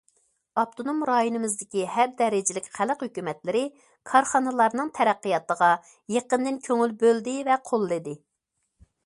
ئاپتونوم رايونىمىزدىكى ھەر دەرىجىلىك خەلق ھۆكۈمەتلىرى كارخانىلارنىڭ تەرەققىياتىغا يېقىندىن كۆڭۈل بۆلدى ۋە قوللىدى.